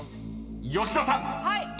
吉田さん］